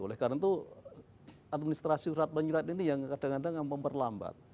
oleh karena itu administrasi surat penyurat ini yang kadang kadang memperlambat